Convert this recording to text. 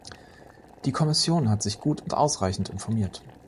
Die Kommission hat sich gut und ausreichend informiert.